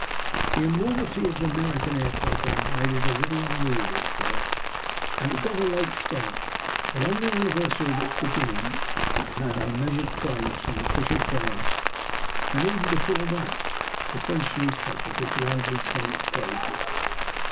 The enormity of the American air programme made it a little unwieldy at first, and it got a late start. But on the anniversary of its beginning it had unmeasured praise from official France, and even before that the French newspapers had loudly sung its praises.